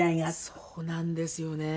そうなんですよね。